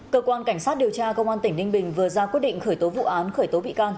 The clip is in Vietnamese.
cơ quan cảnh sát điều tra công an tỉnh ninh bình vừa ra quyết định khởi tố vụ án khởi tố bị can